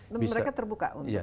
mereka terbuka untuk